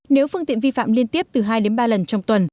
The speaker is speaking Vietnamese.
nếu phương tiện vi phạm liên tiếp từ hai đến ba lần trong tuần